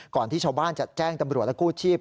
ที่ชาวบ้านจะแจ้งตำรวจและกู้ชีพ